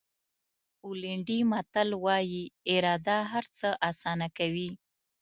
پولنډي متل وایي اراده هر څه آسانه کوي.